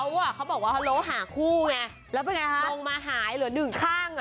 รถการองถองหาคู่อีมาลองขาวสูง